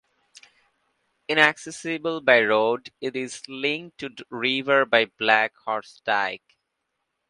Inaccessible by road, it is linked to the river by Black Horse Dyke.